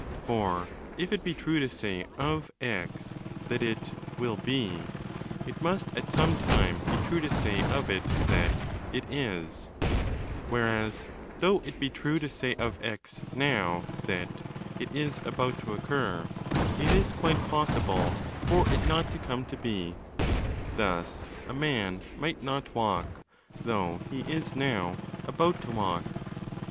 For if it be true to say of x that it 'will be', it must at some time be true to say of it that 'it is': whereas, though it be true to say of x xow that 'it is about to occur', it is quite possible for it not to come to be—thus a man might not walk, though he is now 'about to' walk.